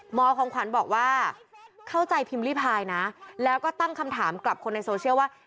ของขวัญบอกว่าเข้าใจพิมพ์ลิพายนะแล้วก็ตั้งคำถามกลับคนในโซเชียลว่า